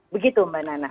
begitu mbak nana